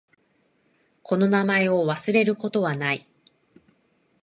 この名前を忘れることはない。